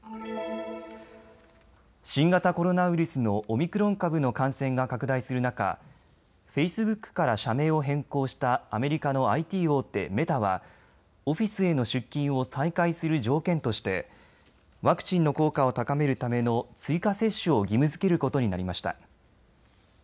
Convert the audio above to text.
新型コロナウイルスのオミクロン株の感染が拡大する中、フェイスブックから社名を変更したアメリカのＩＴ大手、メタはオフィスへの出勤を再開する条件としてワクチンの効果を高めるための追加接種を義務づけることになりました。